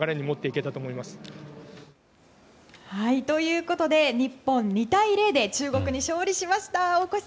ということで日本、２対０で中国に勝利しました。